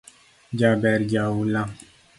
Jabber jaula